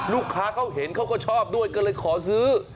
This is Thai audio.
ลูกค้าเขาเห็นเขาก็ชอบด้วยก็เลยขอซื้อ